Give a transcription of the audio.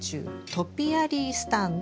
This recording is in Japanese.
トピアリースタンド？